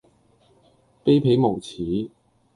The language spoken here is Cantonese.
卑鄙無恥